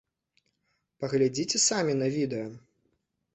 Паглядзіце самі на відэа.